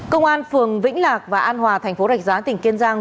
công an phường vĩnh lạc và an hòa thành phố rạch giá tỉnh kiên giang